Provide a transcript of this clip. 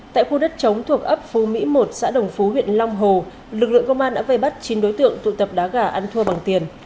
tại khu đất chống thuộc ấp phú mỹ một xã đồng phú huyện long hồ lực lượng công an đã vây bắt chín đối tượng tụ tập đá gà ăn thua bằng tiền